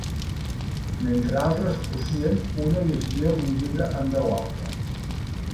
Mentre altres cosien, una llegia un llibre en veu alta.